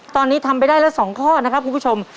ตอนนี้ทำไปได้แล้ว๒ข้อนะครับคุณผู้ชม